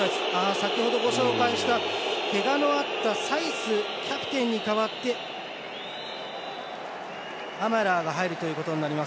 先ほどご紹介したけがのあった、サイスキャプテンに代わってアマラーが入るということになります。